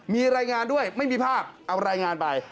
มีรายงานด้วยไม่มีภาพเอารายงานไป